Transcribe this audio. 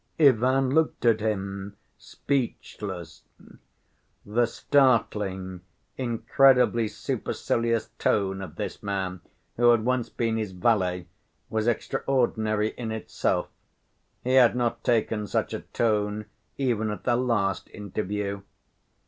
Ivan looked at him speechless. The startling, incredibly supercilious tone of this man who had once been his valet, was extraordinary in itself. He had not taken such a tone even at their last interview.